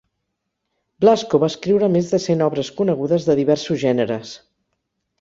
Blasco va escriure més de cent obres conegudes de diversos gèneres.